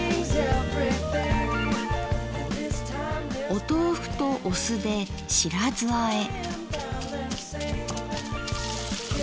お豆腐とお酢で「白酢あえ」。